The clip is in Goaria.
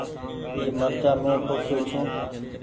اي مرچآ مين پوکيو ڇون۔